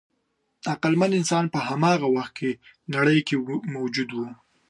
عقلمن انسان په هماغه وخت کې نړۍ کې موجود و.